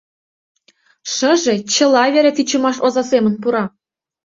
Шыже чыла вере тичмаш оза семын пура.